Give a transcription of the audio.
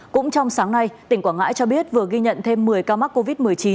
cũng trong sáng nay tỉnh quảng ngãi cho biết vừa ghi nhận thêm một mươi ca mắc covid một mươi chín